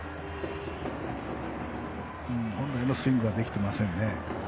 本来のスイングはできていませんね。